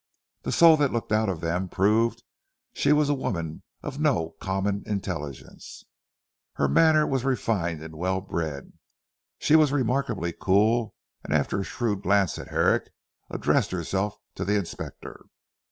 The soul that looked out of them proved she was a woman of no common intelligence. Her manner was refined and well bred. She was remarkably cool, and after a shrewd glance at Herrick, addressed herself to the Inspector.